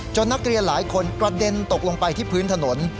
นักเรียนหลายคนกระเด็นตกลงไปที่พื้นถนน